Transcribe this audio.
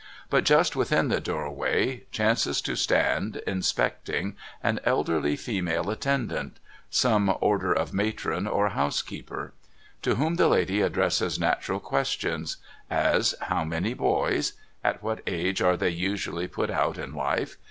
But just within the doorway, chances to stand, inspecting, an elderly female attendant : some order of matron or housekeeper. To whom the lady addresses natural questions : As, how many boys? At what age are they usually put out in life?